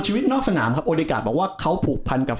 มีเรื่องให้เล่าเยอะนะครับ